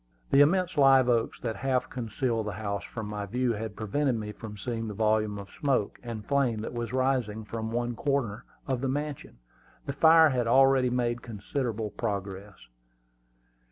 The immense live oaks that half concealed the house from my view had prevented me from seeing the volume of smoke and flame that was rising from one corner of the mansion. The fire had already made considerable progress.